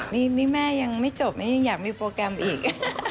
นี่แม่ยังไม่จบนี่ยังอยากมีโปรแกรมอีก